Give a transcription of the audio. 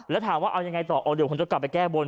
แล้วถามว่าเอายังไงต่ออ๋อเดี๋ยวผมจะกลับไปแก้บน